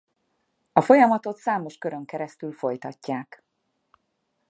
A folyamatot számos körön keresztül folytatják.